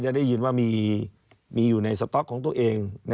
ได้ยินว่ามีอยู่ในสต๊อกของตัวเอง